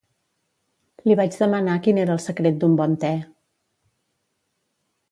Li vaig demanar quin era el secret d'un bon te.